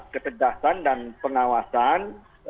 ketegasan dan pengawasan